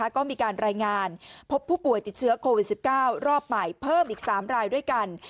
ก็มีการรายงานพบผู้ป่วยติดเชื้อโควิด๑๙รอบใหม่เพิ่มอีก๓รายด้วยกัน